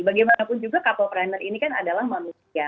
bagaimanapun juga kapalpreneur ini kan adalah manusia